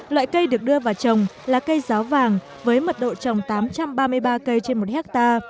loại cây được đưa vào trồng là cây ráo vàng với mật độ trồng tám trăm ba mươi ba cây trên một ha